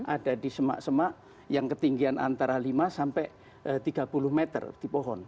ada di semak semak yang ketinggian antara lima sampai tiga puluh meter di pohon